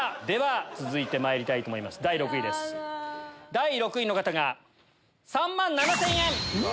第６位の方が３万７０００円。